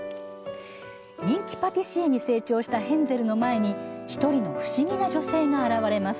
人気パティシエに成長したヘンゼルの前に１人の不思議な女性が現れます。